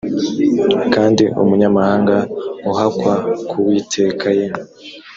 kandi umunyamahanga uhakwa ku uwiteka ye